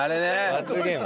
罰ゲーム？